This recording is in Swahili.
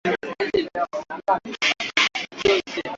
Ugonjwa huu mara nyingi hudumu kwa majuma manne hadi sita